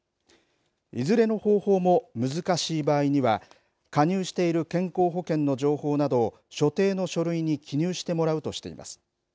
いずれの方法も難しい場合には加入している健康保険の情報などを所定の書類に記入してもらうとしています。